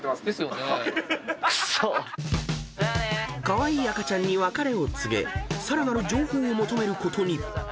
［カワイイ赤ちゃんに別れを告げさらなる情報を求めることに］